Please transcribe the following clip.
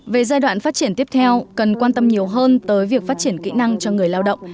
về giai đoạn phát triển tiếp theo cần quan tâm nhiều hơn tới việc phát triển kỹ năng cho người lao động